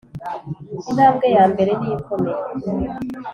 intambwe yambere niyo ikomeye